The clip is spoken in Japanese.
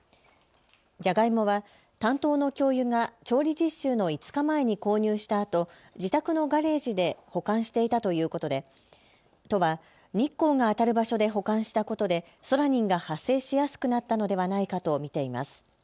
ジャガイモは担当の教諭が調理実習の５日前に購入したあと自宅のガレージで保管していたということで都は日光が当たる場所で保管したことでソラニンが発生しやすくなったのではないかと見ています。